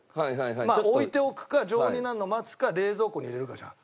まあ置いておくか常温になるのを待つか冷蔵庫に入れるかじゃん。